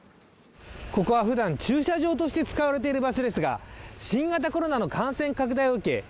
ここは普段駐車場として使われている場所ですが新型コロナの感染拡大を受け